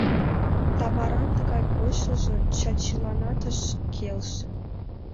Тамаран тыгай койышыжо Чачиланат ыш келше.